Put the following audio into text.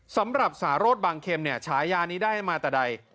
สำหรับสารสบางเข็มเนี่ยฉายานี้ได้มาแต่ใด